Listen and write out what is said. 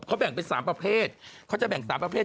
เขาแบ่งเป็น๓ประเภทเขาจะแบ่ง๓ประเภท